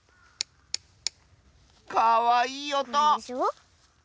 かわいいおと！